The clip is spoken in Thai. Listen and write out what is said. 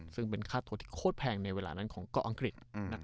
ซึ่งเป็นค่าตัวที่โคตรแพงในเวลานั้นของเกาะอังกฤษ